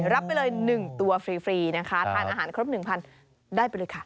รับไปเลย๑ตัวฟรีนะคะทานอาหารครบ๑๐๐๐ได้ไปเลยค่ะ